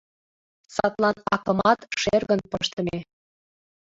Садлан акымат шергын пыштыме.